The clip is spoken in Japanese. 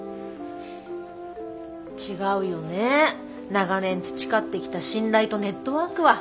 長年培ってきた信頼とネットワークは。